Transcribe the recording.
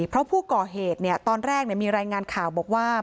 เพราะผู้ก่อเหตุตอนแรกมีรายงานข่าวบอกว่า